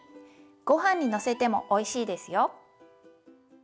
ごはんにのせてもおいしいですよ。